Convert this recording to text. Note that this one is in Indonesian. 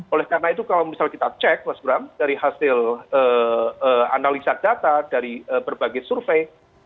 oleh karena itu kalau misal kita cek mas bram dari hasil analisa data dari berbagai survei